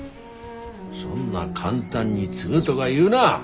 そんな簡単に継ぐどが言うな。